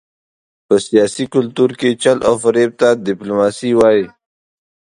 په سیاسي کلتور کې چل او فرېب ته ډیپلوماسي وايي.